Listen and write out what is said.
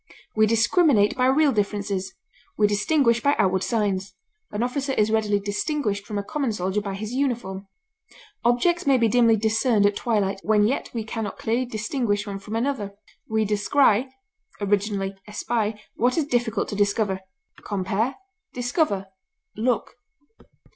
We discriminate by real differences; we distinguish by outward signs; an officer is readily distinguished from a common soldier by his uniform. Objects may be dimly discerned at twilight, when yet we can not clearly distinguish one from another. We descry (originally espy) what is difficult to discover. Compare DISCOVER; LOOK.